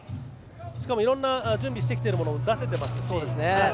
しかも、準備してきているものを出せていますから。